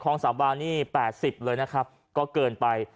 สามวานี่๘๐เลยนะครับก็เกินไป